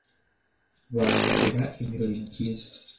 bankorera ibirori byiza